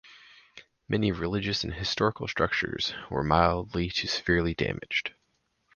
Many religious and historical structures were mildly to severely damaged.